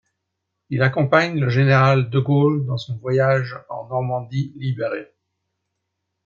Il accompagne le général de Gaulle dans son voyage en Normandie libérée.